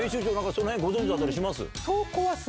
その辺ご存じだったりします？